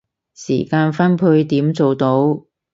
時間分配點做到